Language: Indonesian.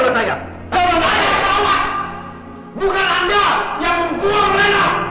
kalau saya merawat bukan anda yang membuang rena